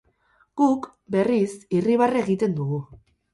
Guk, berriz, irribarre egiten dugu.